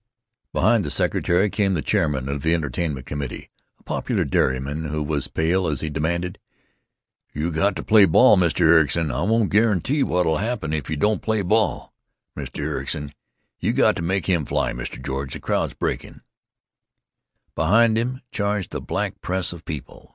Behind the secretary came the chairman of the entertainment committee, a popular dairyman, who was pale as he demanded: "You got to play ball, Mr. Ericson. I won't guarantee what 'll happen if you don't play ball, Mr. Ericson. You got to make him fly, Mr. George. The crowd 's breaking——" Behind him charged a black press of people.